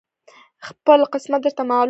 خپل قسمت درته معلوم شو